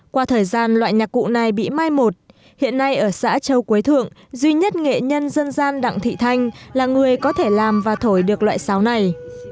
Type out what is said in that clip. qua thời gian loại nhạc cụ này bị mai một hiện nay ở xã châu quế thượng duy nhất nghệ nhân dân gian đặng thị thanh là người có thể làm và thổi được loại sáo này